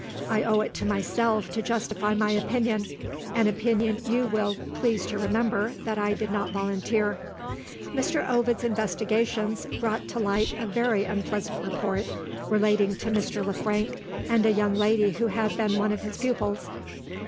I owe it to myself to justify my opinion an opinion, you will please to remember, that I did not volunteer. Mr. Ovid's investigations brought to light a very unpleasant report, relating to Mr. Le Frank and a young lady who had been one of his pupils."